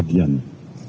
dari perhatian saya